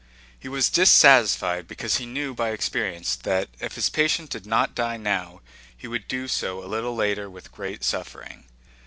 He was dissatisfied because he knew by experience that if his patient did not die now, he would do so a little later with greater suffering.